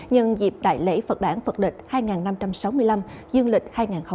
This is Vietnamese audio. nhận dịp đại lễ phật đảng phật địch hai nghìn năm trăm sáu mươi năm dương lịch hai nghìn hai mươi một